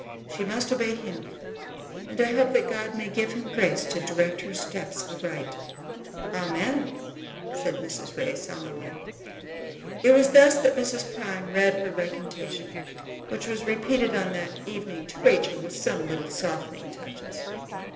She must obey him, and I hope that God may give him grace to direct her steps aright." "Amen!" said Mrs. Ray, solemnly. It was thus that Mrs. Prime read her recantation, which was repeated on that evening to Rachel with some little softening touches.